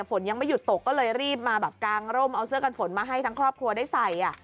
ฝนยังไม่หยุดตกก็เลยรีบมาแบบกางร่มเอาเสื้อกันฝนมาให้ทั้งครอบครัวได้ใส่